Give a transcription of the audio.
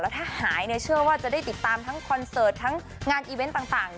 ถ้าหายเชื่อว่าจะได้ติดตามทั้งคอนเสิร์ตทั้งงานอีเวนต์ต่าง